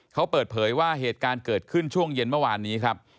เขาเปิดเผยว่าเหตุการณ์เกิดขึ้นช่วงเย็นเมื่อวานนี้ครับ